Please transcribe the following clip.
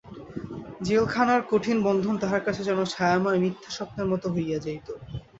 জেলখানার কঠিন বন্ধন তাহার কাছে যেন ছায়াময় মিথ্যা স্বপ্নের মতো হইয়া যাইত।